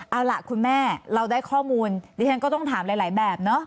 เอาล่ะคุณแม่เราได้ข้อมูลดิฉันก็ต้องถามหลายแบบเนอะ